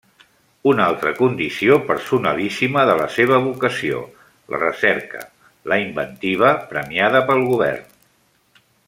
Una altra condició personalíssima de la seva vocació: la recerca, la inventiva premiada pel govern.